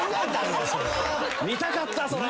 見たかったそれ。